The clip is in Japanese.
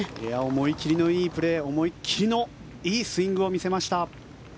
思い切りのあるプレー思い切りのあるスイングを見せました。